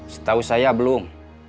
setahu saya belum